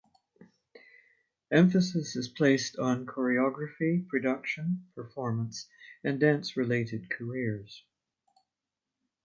Emphasis is placed on choreography, production, performance, and dance related careers.